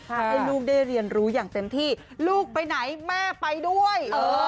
ให้ลูกได้เรียนรู้อย่างเต็มที่ลูกไปไหนแม่ไปด้วย